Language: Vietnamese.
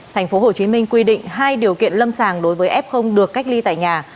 thành phố hồ chí minh quy định hai điều kiện lâm sàng đối với f được cách ly tại nhà